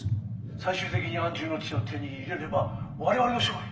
「最終的に安住の地を手に入れれば我々の勝利」。